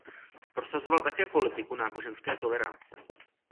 Prosazoval také politiku náboženské tolerance.